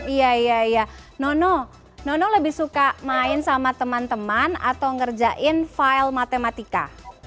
iya iya nono nono lebih suka main sama teman teman atau ngerjain file matematika